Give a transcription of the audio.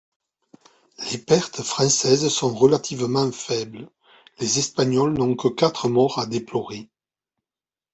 Les pertes françaises sont relativement faibles, les Espagnols n'ont que quatre morts à déplorer.